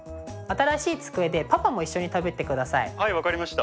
はいわかりました。